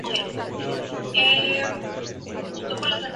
En última instancia, Cándida debe elegir entre los dos caballeros.